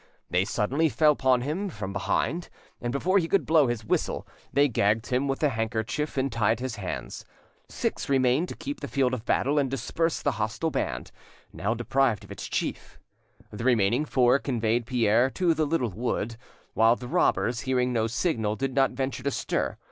They suddenly fell upon him from behind, and before he could blow his whistle, they gagged him with a handkerchief and tied his hands. Six remained to keep the field of battle and disperse the hostile band, now deprived of its chief; the remaining four conveyed Pierre to the little wood, while the robbers, hearing no signal, did not venture to stir.